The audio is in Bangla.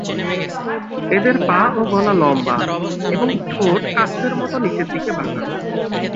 এদের পা ও গলা লম্বা এবং ঠোঁট কাস্তের মতো নিচের দিকে বাঁকানো।